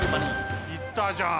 いったじゃん！